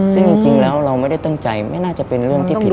ซึ่งจริงแล้วเราไม่ได้ตั้งใจไม่น่าจะเป็นเรื่องที่ผิด